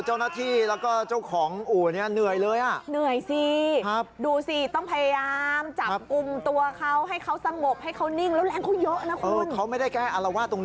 จับกว้างจับกว้างนะครับอ้าว